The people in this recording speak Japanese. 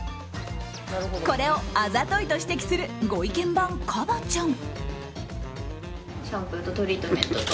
これを、あざといと指摘するご意見番ＫＡＢＡ．ちゃん。